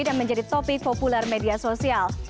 dan menjadi topik populer media sosial